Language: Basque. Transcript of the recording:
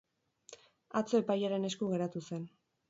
Atzo epailearen esku geratu zen.